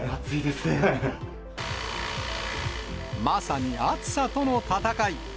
まさに暑さとの戦い。